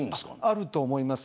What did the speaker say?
あると思います。